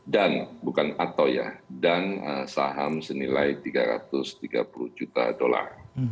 dan bukan atau ya dan saham senilai rp tiga ratus tiga puluh juta dolar